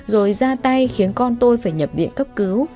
rồi ra tay khiến con tôi phải nhập viện cấp cứu